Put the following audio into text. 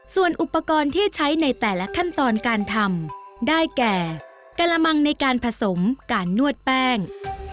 ส่วนอุปกรณ์ที่ใช้ในแต่ละขั้นตอนการทำได้แก่กระมังในการผสมการนวดแป้ง